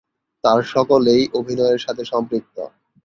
তার সকলেই অভিনয়ের সাথে সম্পৃক্ত।